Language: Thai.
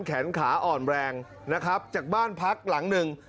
แขนขาอ่อนแรงนะครับจากบ้านพักหลังหนึ่ง